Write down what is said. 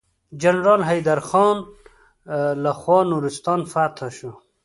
د جنرال حيدر خان لخوا نورستان فتحه شو.